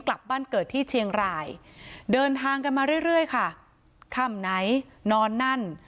กลับบ้านเกิดที่เชียงรายเดินทางกันมาเรื่อยค่ะค่ำไหนนอนนั่น